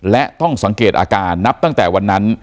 และต้องสังเกตอาการนับตั้งแต่วันนั้น